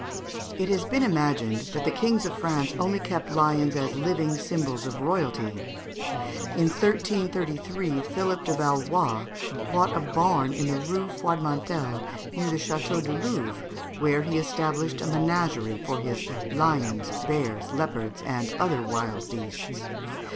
It has been imagined that the kings of France only kept lions as living symbols of royalty. In 1333 Philippe de Valois bought a barn in the Rue Froidmantel, near the Château du Louvre, where he established a menagerie for his lions, bears, leopards, and other wild beasts.